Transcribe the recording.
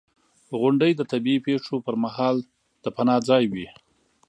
• غونډۍ د طبعي پېښو پر مهال د پناه ځای وي.